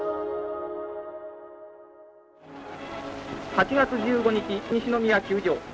８月１５日西宮球場。